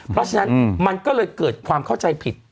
เพราะฉะนั้นมันก็เลยเกิดความเข้าใจผิด